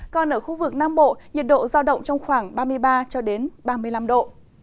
còn ở khu vực nam bộ nhiệt độ giao động trong khoảng ba mươi ba cho đến ba mươi năm độ